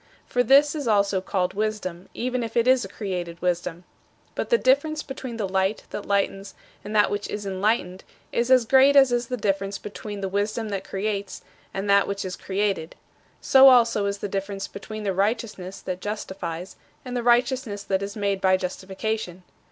For this is also called wisdom, even if it is a created wisdom. But the difference between the Light that lightens and that which is enlightened is as great as is the difference between the Wisdom that creates and that which is created. So also is the difference between the Righteousness that justifies and the righteousness that is made by justification.